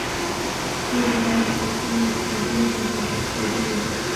ټول د غیر فلزونو اکسایدونه تیزابي اکسایدونه دي.